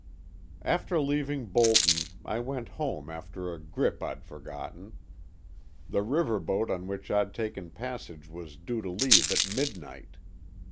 After leaving Bolton I went home after a grip I'd forgotten. The river boat on which I'd taken passage was due to leave at midnight.